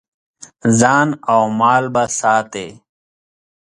ځان او مال به ساتې.